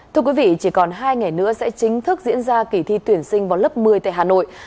thưa quý vị chỉ còn hai ngày nữa sẽ chính thức diễn ra kỳ thi tuyển sinh vào lớp một mươi tại hà nội